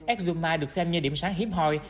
exuma được xem như điểm sáng hiếp hồi